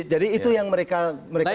jadi itu yang mereka sebutkan